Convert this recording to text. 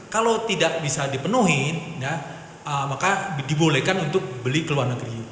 kalau tidak bisa dipenuhi maka dibolehkan untuk beli ke luar negeri